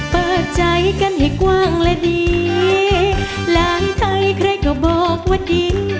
เปิดใจกันให้กว้างและดีหลังไทยใครก็บอกว่าดี